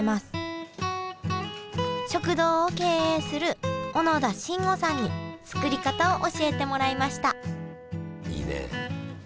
食堂を経営する小野田真悟さんに作り方を教えてもらいましたいいね。